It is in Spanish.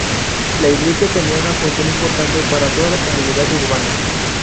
La iglesia tenía una función importante para toda la comunidad urbana.